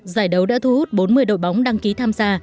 giải đấu đã thu hút bốn mươi đội bóng đăng ký tham gia